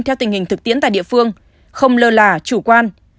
theo tình hình thực tiễn tại địa phương không lơ là chủ quan